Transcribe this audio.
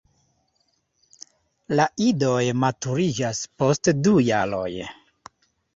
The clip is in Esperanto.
La idoj maturiĝas post du jaroj.